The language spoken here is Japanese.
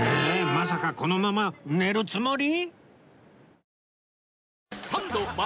まさかこのまま寝るつもり！？